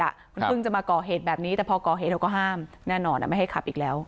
มันเพิ่งจะมาก่อเหตุแบบนี้แต่พอก่อเหตุเราก็ห้ามแน่นอนไม่ให้ขับอีกแล้ว